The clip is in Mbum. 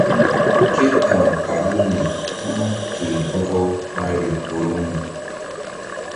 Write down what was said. Ke ta̧w karaŋri kuɗu ke bɔkɔ ɓa riŋ horoŋri.